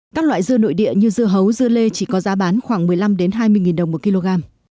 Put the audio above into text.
các loại dưa nội địa như dưa hấu dưa lê chỉ có giá bán khoảng một mươi năm hai mươi đồng một kg